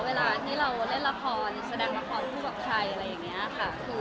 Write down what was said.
เวลาที่เราเล่นละครแสดงละครพูดกับใคร